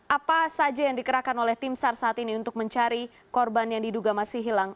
apa saja yang dikerahkan oleh tim sar saat ini untuk mencari korban yang diduga masih hilang